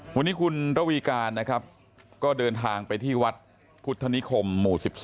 วันนี้คุณระวีการนะครับก็เดินทางไปที่วัดพุทธนิคมหมู่๑๒